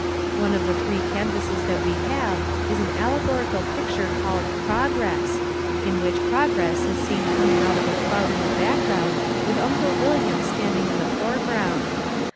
One of the three canvasses that we have is an allegorical picture called "Progress" in which Progress is seen coming out of a cloud in the background with Uncle William standing in the foreground.